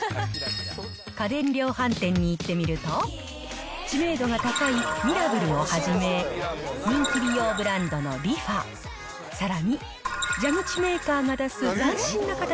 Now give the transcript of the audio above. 家電量販店に行ってみると、知名度が高いミラブルをはじめ、人気美容ブランドのリファ、さらに、蛇口メーカーが出す斬新な形